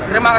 ke dalam apa